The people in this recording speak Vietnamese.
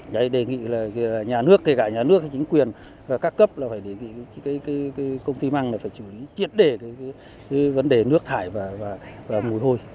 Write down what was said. đấy đề nghị là nhà nước kể cả nhà nước chính quyền và các cấp là phải đề nghị công ty măng này phải chú ý triệt đệ vấn đề nước thải và mùi hôi